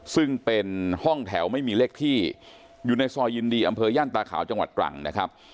ซึ่งเป็นห้องแถวไม่มีเลขที่อยู่ในซอยยินดีอำเภอย่านตาขาวจังหวัดตรังนะครับ